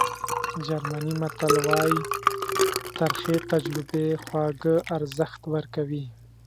جرمني متل وایي ترخې تجربې خواږه ارزښت ورکوي.